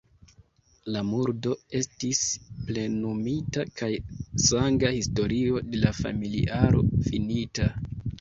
La murdo estis plenumita kaj sanga historio de la familiaro finita.